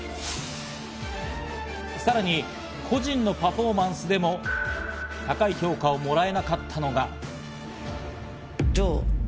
さらに個人のパフォーマンスでも高い評価をもらえなかったのが。